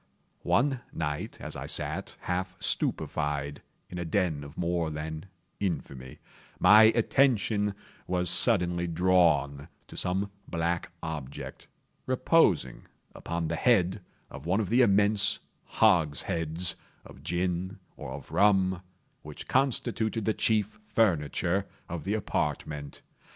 One night as I sat, half stupefied, in a den of more than infamy, my attention was suddenly drawn to some black object, reposing upon the head of one of the immense hogsheads of gin, or of rum, which constituted the chief furniture of the apartment.